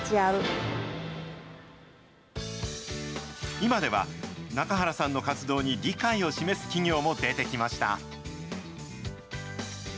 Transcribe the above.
今では、中原さんの活動に理解を示す企業も出てきました。